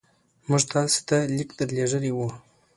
موږ تاسي ته لیک درلېږلی وو.